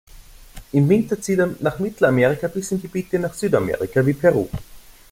Im Winter zieht er nach Mittelamerika bis in Gebiete nach Südamerika, wie Peru.